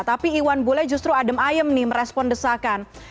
tapi iwan bule justru adem ayem nih merespon desakan